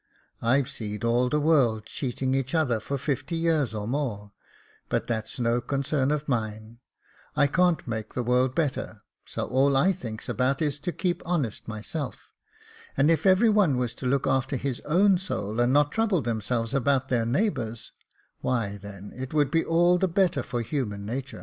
I've seed all the world cheating each other for fifty years or more, but that's no concern of mine ; I can't make the world better ; so all I thinks about is to keep honest myself : and if every one was to look after his own soul, and not trouble themselves about their neigh bours, why then it would be all the better for human natur.